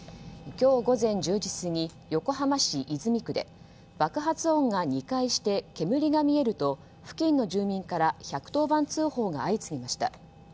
今日午前１０時過ぎ横浜市泉区で爆発音が２回して煙が見えると付近の住民から１１０番通報が相次ぎました。